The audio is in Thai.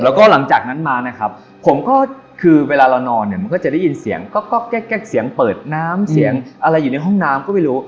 แล้วก็หลังจากนั้นมานะครับผมก็คือเวลาเรานอนเนี่ยมันก็จะได้ยินเสียงก็แก๊กเสียงเปิดน้ำเสียงอะไรอยู่ในห้องน้ำก็ไม่รู้